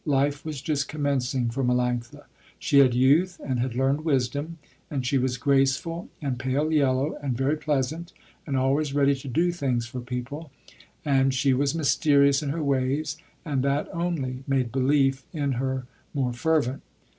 Life was just commencing for Melanctha. She had youth and had learned wisdom, and she was graceful and pale yellow and very pleasant, and always ready to do things for people, and she was mysterious in her ways and that only made belief in her more fervent.